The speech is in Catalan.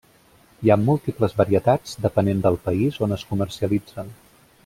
Hi ha múltiples varietats depenent del país on es comercialitzen.